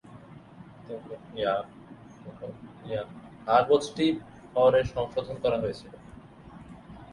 কাগজটি পরে সংশোধন করা হয়েছিল।